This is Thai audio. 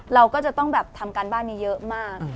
เราก็จะต้องแบบทำการบ้านนี้เยอะมาก